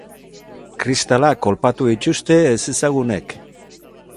Kristalak kolpatu dituzte ezezagunek.